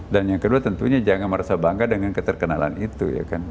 dan yang kedua tentunya jangan merasa bangga dengan keterkenalan itu